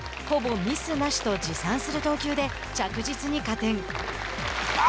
ほぼミスなしと自賛する投球で着実に加点。